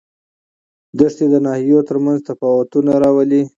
دښتې د ناحیو ترمنځ تفاوتونه راولي.